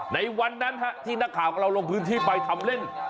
ในวันนั้นที่นักข่าวของเราลงพื้นที่ไปทำเล่น